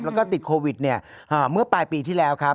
แล้วก็ติดโควิดเมื่อปลายปีที่แล้วครับ